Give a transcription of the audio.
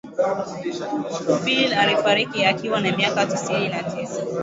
philip alifariki akiwa na miaka tisini na tisa